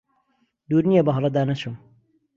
دوور نییە بەهەڵەدا نەچم